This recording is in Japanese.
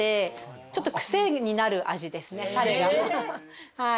ちょっと癖になる味ですねはい。